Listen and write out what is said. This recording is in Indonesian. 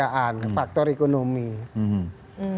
tinggal di daerah indonesia aja begitu